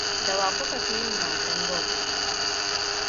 Da wa kuka fi yin wasan yin wasan Golf?